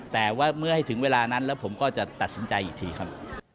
แต่ว่าเมื่อให้ถึงเวลานั้นแล้วผมก็จะตัดสินใจอีกทีครับ